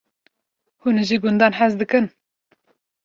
Hûn ji gundan hez dikin?